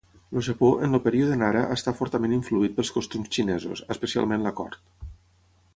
El Japó, en el període Nara està fortament influït pels costums xinesos, especialment la cort.